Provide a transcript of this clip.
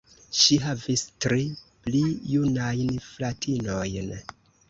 Ŝi havis tri pli junajn fratinojn.